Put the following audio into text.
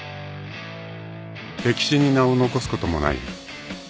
［歴史に名を残すこともない］